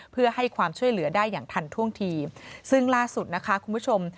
เพื่อให้ความช่วยเหลือได้อย่างทันท่วงทีซึ่งล่าสุดนะคะคุณผู้ชม